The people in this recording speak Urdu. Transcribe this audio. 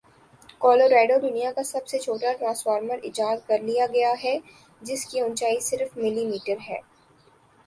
کولاراڈو دنیا کا سب سے چھوٹا ٹرانسفارمر ایجاد کرلیا گیا ہے جس کے اونچائی صرف ملی میٹر ہے